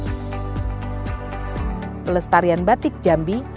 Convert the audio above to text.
pelestarian batik jambi merupakan perusahaan yang berpengaruh untuk mencapai keuntungan